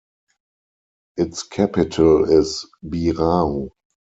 Its capital is Birao.